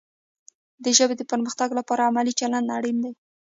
د ژبې د پرمختګ لپاره علمي چلند اړین دی.